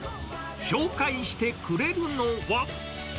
紹介してくれるのは。